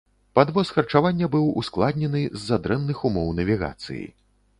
Падвоз харчавання быў ускладнены з-за дрэнных умоў навігацыі.